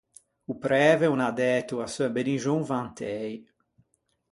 O præve o n’à dæto a seu benixon vantëi.